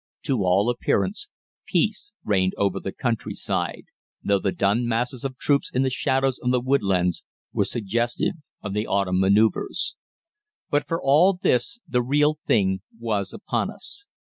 To all appearance, peace reigned over the countryside, though the dun masses of troops in the shadows of the woodlands were suggestive of the autumn manoeuvres. But for all this the 'Real Thing' was upon us.